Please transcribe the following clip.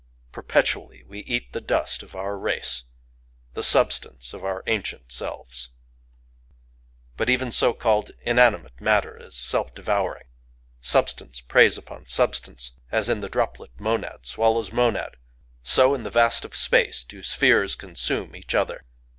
Perpetually we eat the dust of our race,—the substance of our ancient selves. But even so called inanimate matter is self devouring. Substance preys upon substance. As in the droplet monad swallows monad, so in the vast of Space do spheres consume each other.